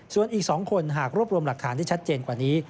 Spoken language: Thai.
ส่วนอีก๒คนหากรวบรวมหลักฐานได้ชัดเจนกว่านี้